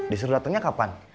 disuruh datennya kapan